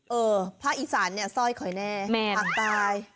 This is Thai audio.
เออภาคอีสานเนี่ยซ่อยข่อยแน่ภาคใต้